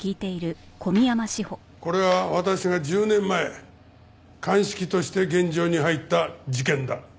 これは私が１０年前鑑識として現場に入った事件だ。